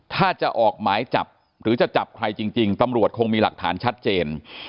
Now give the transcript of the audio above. ถ้าจะออกหมายจับหรือจะจับใครจริงตำรวจคงมีหลักฐานชัดเจน